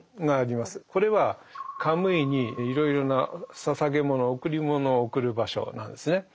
これはカムイにいろいろな捧げ物贈り物を贈る場所なんですね。